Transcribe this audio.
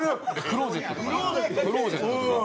クローゼットとか。